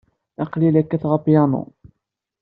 Aql-iyi la kkateɣ apyanu.